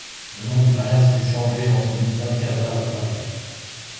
Le nom du Palace fut changé en celui d'Alcazar de Paris.